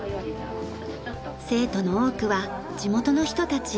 生徒の多くは地元の人たち。